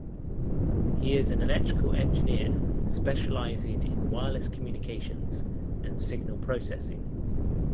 He is an electrical engineer specializing in wireless communications and signal processing.